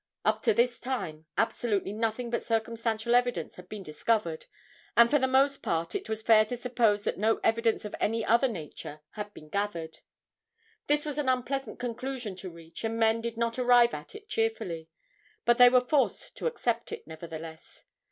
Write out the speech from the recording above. Up to this time, absolutely nothing but circumstantial evidence, had been discovered, and for the most part it was fair to suppose that no evidence of any other nature had been gathered. This was an unpleasant conclusion to reach and men did not arrive at it cheerfully, but they were forced to accept it, nevertheless.